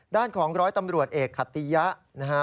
ด้านของร้อยตำรวจเอกขติยะนะฮะ